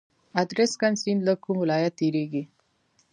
ادرسکن سیند له کوم ولایت تیریږي؟